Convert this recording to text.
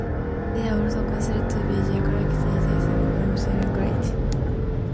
They are also considered to be directly descended from Cyrus the Great.